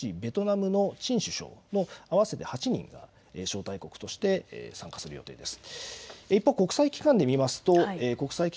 それから、経済成長が著しいベトナムのチン首相の合わせて８人が招待国として参加する予定です。